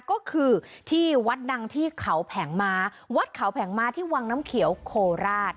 ก็คือที่วัดดังที่เขาแผงม้าวัดเขาแผงม้าที่วังน้ำเขียวโคราช